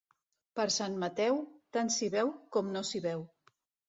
Per Sant Mateu, tant s'hi veu com no s'hi veu.